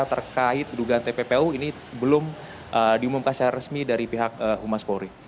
terkait dugaan tppu ini belum diumumkan secara resmi dari pihak humas polri